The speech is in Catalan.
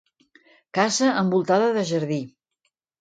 Casa envoltada de jardí.